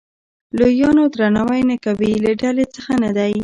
لویانو درناوی نه کوي له ډلې څخه نه دی.